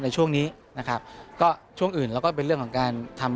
ช่วงอื่นเราก็เป็นเรื่องของการทำ